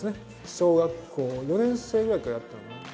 小学校４年生ぐらいからやってたのかな。